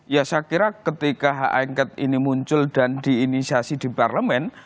ya saya kira ketika hak angket ini muncul dan diinisiasi di parlemen